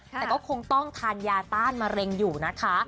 แต่ก็คงต้องทานยาต้านมะเร็งอยู่นะคะ